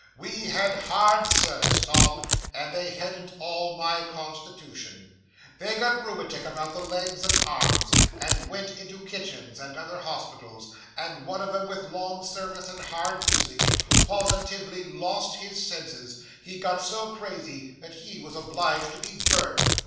We had hard service, Tom, and they hadn't all my constitution. They got rheumatic about the legs and arms, and went into kitchens and other hospitals; and one of 'em, with long service and hard usage, positively lost his senses he got so crazy that he was obliged to be burnt.